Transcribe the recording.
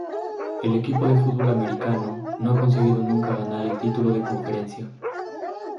El equipo de fútbol americano no ha conseguido nunca ganar el título de conferencia.